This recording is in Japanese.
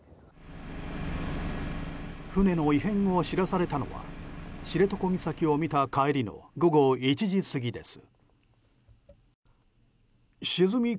船の異変を知らされたのは知床岬を見た帰りの午後１時過ぎです。